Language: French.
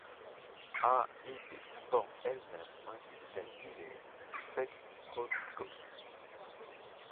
A et B forment elles-mêmes un système binaire spectroscopique.